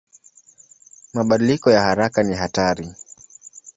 Mabadiliko ya haraka ni hatari.